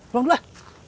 pulang dulu deh